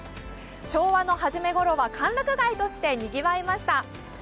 昭和の初めころは歓楽街としてにぎわいました。